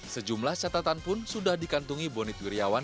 sejumlah catatan pun sudah dikantungi bonit wirjawan